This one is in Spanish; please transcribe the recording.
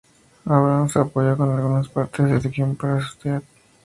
Abrams apoyó con algunas partes del guión para Stewart.